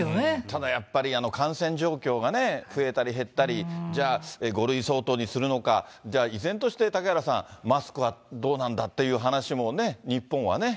ただやっぱり、感染状況がね、増えたり減ったり、じゃあ、５類相当にするのか、依然として、嵩原さん、マスクはどうなんだっていう話もね、日本はね。